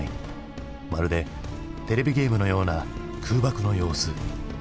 まるでテレビゲームのような空爆の様子。